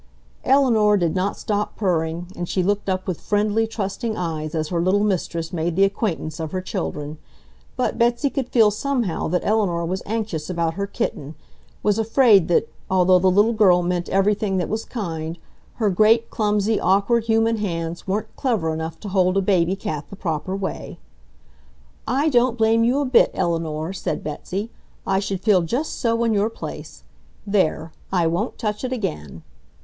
Eleanor did not stop purring, and she looked up with friendly, trusting eyes as her little mistress made the acquaintance of her children, but Betsy could feel somehow that Eleanor was anxious about her kitten, was afraid that, although the little girl meant everything that was kind, her great, clumsy, awkward human hands weren't clever enough to hold a baby cat the proper way. "I don't blame you a bit, Eleanor," said Betsy. "I should feel just so in your place. There! I won't touch it again!"